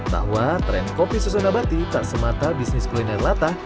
bahwa tren kopi susu nabati tak semata bisnis kuliner latah